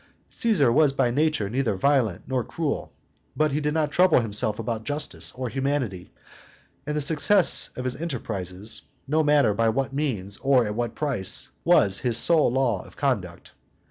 Caesar was by nature neither violent nor cruel; but he did not trouble himself about justice or humanity, and the success of his enterprises, no matter by what means or at what price, was his sole law of conduct.